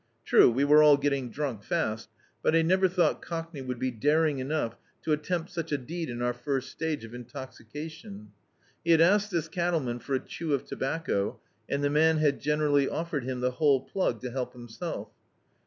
True, we were all getting drunk fast, but I never thou^t Cockney would be daring enough to attempt such a deed in our first stage of intoxication. He had asked this cattleman for a chew of tobacco and the man had generously offered him the whole plug to help himself.